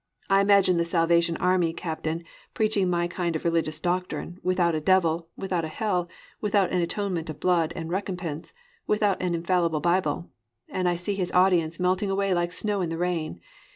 I imagine the Salvation Army captain preaching my kind of religious doctrine, without a devil, without a hell, without an atonement of blood and recompense, without an infallible Bible—and I see his audience melting away like snow in the rain.